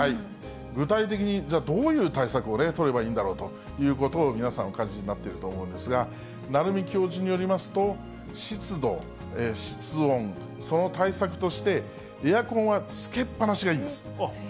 具体的に、じゃあ、どういう対策をね、取ればいいんだろうということを皆さん、お感じになっていると思うんですが、鳴海教授によりますと、湿度、室温、その対策として、エアコンはつけっぱなしがいいんです。